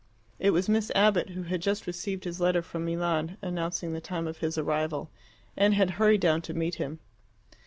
It was Miss Abbott, who had just received his letter from Milan announcing the time of his arrival, and had hurried down to meet him.